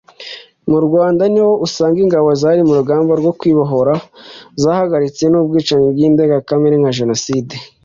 mu Rwanda niho usanga ingabo zari mu rugamba rwo kwibohora zahagaritse n’ubwicanyi bw’indengakamere nka jenoside